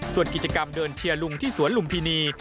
ส่วนกิจกรรมเดินเชียร์ลุงที่สวนลุมพินี